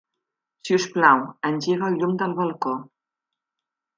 Si us plau, engega el llum del balcó.